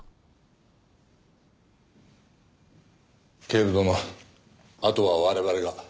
警部殿あとは我々が。